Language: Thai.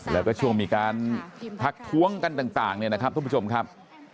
แล้วก็ช่วงมีการทักท้วงกันต่างเนี่ยนะครับทุกผู้ชมครับ